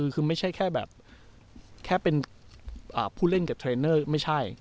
คือไม่ใช่แค่แบบแค่เป็นผู้เล่นกับเทรนเนอร์ไม่ใช่